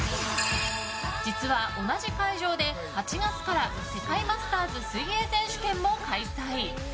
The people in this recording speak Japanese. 実は、同じ会場で８月から世界マスターズ水泳選手権も開催。